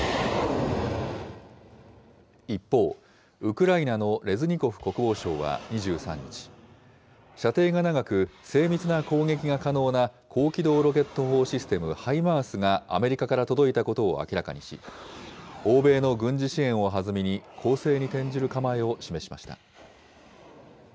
一方、ウクライナのレズニコフ国防相は２３日、射程が長く、精密な攻撃が可能な高機動ロケット砲システム・ハイマースが、アメリカから届いたことを明らかにし、欧米の軍事支援を弾みに、攻勢に転じる構えを示しました。